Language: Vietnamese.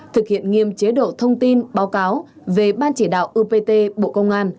thực hiện nghiêm chế độ thông tin báo cáo về ban chỉ đạo upt bộ công an